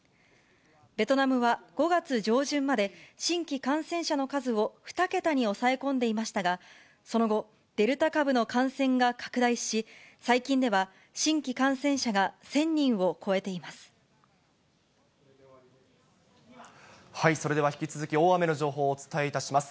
ベトナムは５月上旬まで、新規感染者の数を２桁に抑え込んでいましたが、その後、デルタ株の感染が拡大し、最近では新規感染者が１０００人を超えそれでは、引き続き大雨の情報をお伝えいたします。